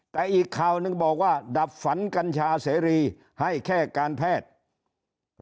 แต่อีกข่าวหนึ่งบอกว่าดับฝันกัญชาเสรีให้แค่การแพทย์